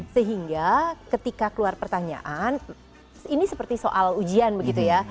sehingga ketika keluar pertanyaan ini seperti soal ujian begitu ya